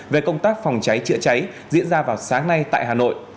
về công tác phòng cháy chữa cháy diễn ra vào sáng nay tại hà nội